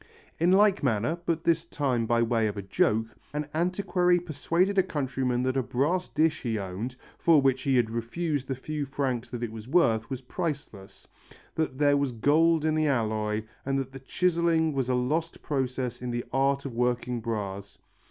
In like manner, but this time by way of a joke, an antiquary persuaded a countryman that a brass dish he owned, for which he had refused the few francs that it was worth, was priceless, that there was gold in the alloy and that the chiselling was a lost process in the art of working brass.